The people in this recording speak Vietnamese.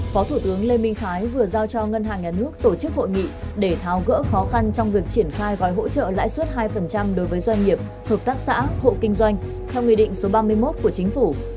phó thủ tướng lê minh khái vừa giao cho ngân hàng nhà nước tổ chức hội nghị để tháo gỡ khó khăn trong việc triển khai gói hỗ trợ lãi suất hai đối với doanh nghiệp hợp tác xã hộ kinh doanh theo nghị định số ba mươi một của chính phủ